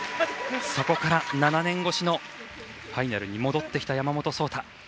そこから７年越しのファイナルに戻ってきた山本草太。